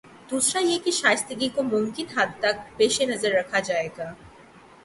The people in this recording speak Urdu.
دوسرا یہ کہ شائستگی کو ممکن حد تک پیش نظر رکھا جائے گا۔